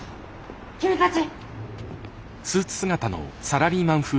君たち！